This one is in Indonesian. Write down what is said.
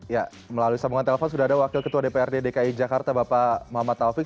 ya melalui sambungan telepon sudah ada wakil ketua dprd dki jakarta bapak muhammad taufik